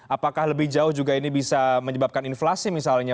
apakah lebih jauh juga ini bisa menyebabkan inflasi misalnya